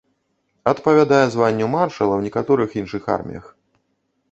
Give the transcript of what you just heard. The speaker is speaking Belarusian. Адпавядае званню маршала ў некаторых іншых арміях.